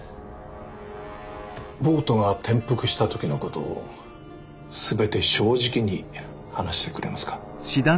ボートが転覆した時のことを全て正直に話してくれますか？